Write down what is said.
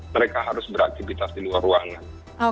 mereka harus beraktivitas di luar ruangan